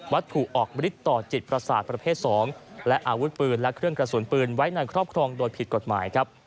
ถูกออกมฤทธิต่อจิตประสาทประเภท๒และอาวุธปืนและเครื่องกระสุนปืนไว้ในครอบครองโดยผิดกฎหมายครับ